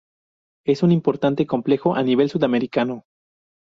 Es un importante complejo a nivel Sudamericano.